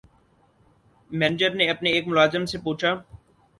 manager نے اپنے ایک ملازم سے پوچھا